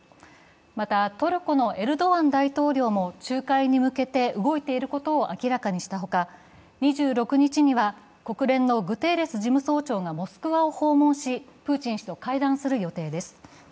また、トルコのエルドアン大統領も仲介へ向けて動いていることを明らかにした他、２６日には国連のグテーレス事務総長がモスクワを訪問しプーチン氏と会談する予定です。